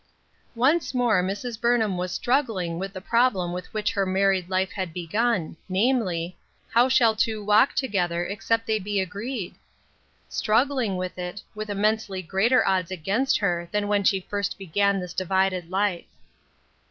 Once more Mrs. Burnham was strusrodinfr with the problem with which her married life had begun, namely, " How shall two walk together except they be agreed?" Struggling with it, with immensely greater odds against her than when she first began this divided life.